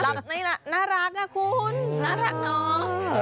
รักนี่น่ารักครับคุณน่ารักน้อ